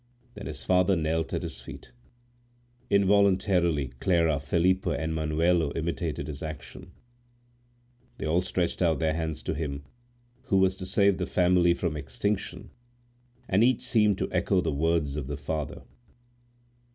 Then his father knelt at his feet. Involuntarily Clara, Felipe, and Manuelo imitated his action. They all stretched out their hands to him, who was to save the family from extinction, and each seemed to echo the words of the father.